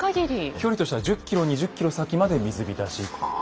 距離としては１０ｋｍ２０ｋｍ先まで水浸し。